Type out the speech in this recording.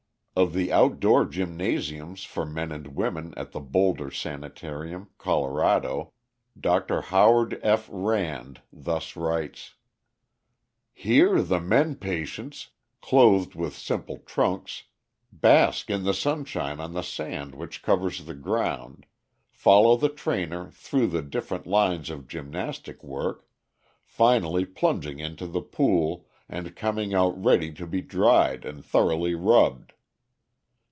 Of the outdoor gymnasiums for men and women at the Boulder Sanitarium, Colorado, Dr. Howard F. Rand thus writes: "Here the men patients, clothed with simple trunks, bask in the sunshine on the sand which covers the ground, follow the trainer through the different lines of gymnastic work, finally plunging into the pool and coming out ready to be dried and thoroughly rubbed.